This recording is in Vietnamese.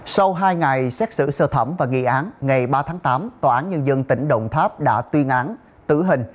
sau hai ngày xét xử sơ thẩm và nghị án ngày ba tháng tám tòa án nhân dân tỉnh đồng tháp đã tuyên án tử hình